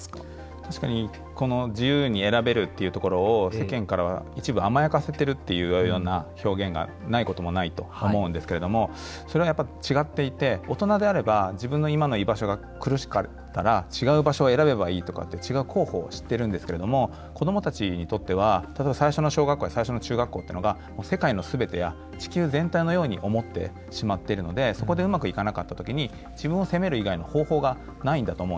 確かにこの自由に選べるっていうところを世間からは一部甘やかせてるっていうような表現がないこともないと思うんですけれどもそれはやっぱ違っていて大人であれば自分の今の居場所が苦しかったら違う場所を選べばいいとかって違う候補を知ってるんですけれども子どもたちにとっては例えば最初の小学校や最初の中学校っていうのが世界の全てや地球全体のように思ってしまっているのでそこでうまくいかなかった時に自分を責める以外の方法がないんだと思うんですね。